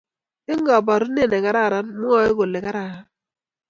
Eng'kabarunet ne karan mwea ko ole karan